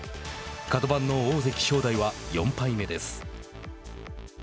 角番の大関・正代は４敗目です。